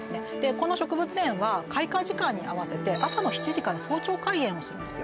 この植物園は開花時間に合わせて朝の７時から早朝開園をするんですよ